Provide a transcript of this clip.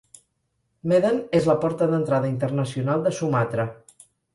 Medan és la porta d'entrada internacional de Sumatra.